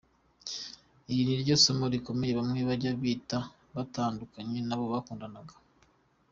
Iri naryo ni isomo rikomeye bamwe bajya bita batandukanye n’abo bakundanaga.